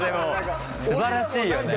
すばらしいよね。